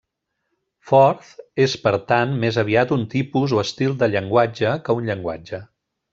Forth és per tant més aviat un tipus o estil de llenguatge que un llenguatge.